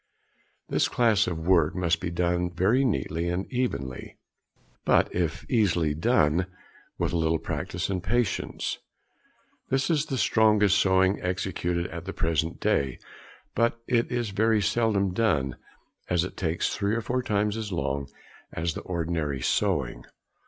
This class of work must be done very neatly and evenly, but it is easily done with a little practice and patience. This is the strongest sewing executed at the present day, but it is very seldom done, as it takes three or four times as long as the ordinary sewing.